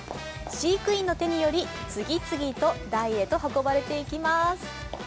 飼育員の手により次々と台へと運ばれていきます。